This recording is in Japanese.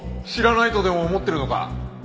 知らないとでも思ってるのか？